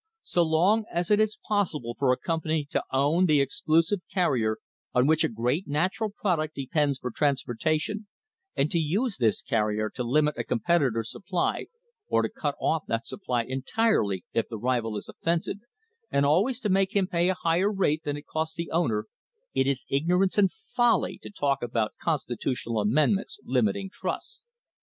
So long as it is possible for a company to own the exclusive carrier on which a great natural product de pends for transportation, and to use this carrier to limit a competitor's supply or to cut off that supply entirely if the rival is offensive, and always to make him pay a higher rate than it costs the owner, it is ignorance and folly to talk about constitutional amendments limiting trusts.